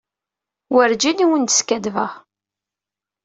Werǧin i wen-d-skaddbeɣ.